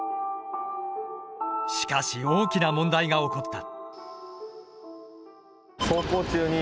しかし大きな問題が起こった。